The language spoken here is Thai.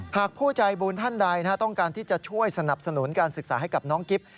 ผู้ใจบุญท่านใดต้องการที่จะช่วยสนับสนุนการศึกษาให้กับน้องกิฟต์